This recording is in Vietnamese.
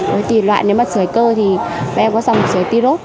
với tỷ loại nếu mà sởi cơ thì bọn em có dòng sởi ti rốt